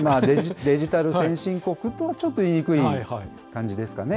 デジタル先進国とはちょっと言いにくい感じですかね。